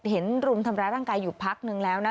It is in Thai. รุมทำร้ายร่างกายอยู่พักนึงแล้วนะ